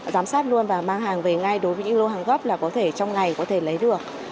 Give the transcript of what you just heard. giám sát luôn và mang hàng về ngay đối với những lô hàng gấp là có thể trong ngày có thể lấy được